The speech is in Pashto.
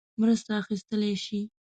مرسته اخیستلای شي.